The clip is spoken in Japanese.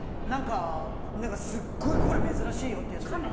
すっごいこれ珍しいよ！ってやつ。